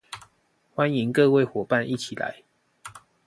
歡迎各位夥伴一起來